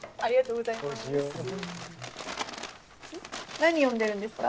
何読んでるんですか？